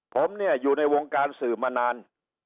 ผมเนี่ยอยู่ในวงการสื่อมานาน